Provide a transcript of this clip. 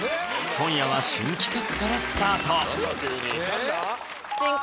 今夜は新企画からスタート進行